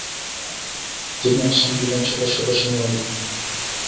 তিনি আসাম বিধানসভার সদস্য মনোনীত হন।